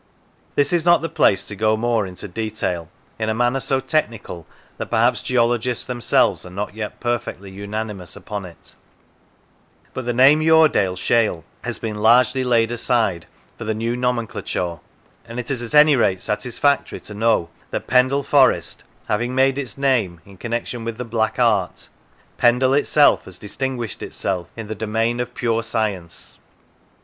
This is not the place to go more into detail in a matter so technical that perhaps geologists themselves are not yet perfectly unanimous upon it, but the name Yoredale shale has been largely laid aside for the new nomenclature; and it is at any rate satisfactory to know that, Pendle Forest having made its name in connection with the black art, Pendle itself has distinguished itself in the domain of pure science.